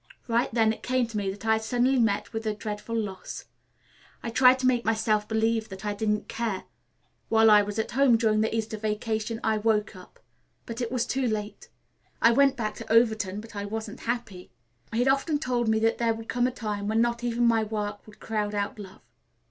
Right then it came to me that I had suddenly met with a dreadful loss. I tried to make myself believe that I didn't care. While I was at home during the Easter vacation I woke up. But it was too late. I went back to Overton, but I wasn't happy. He had often told me that there would come a time when not even my work could crowd out love.